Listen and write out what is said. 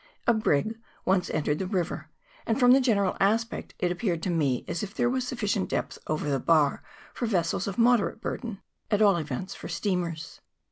A brig once entered the river, and from the general aspect it appeared to me as if there was sufficient depth over the bar for vessels of moderate burden, at all events for steamers.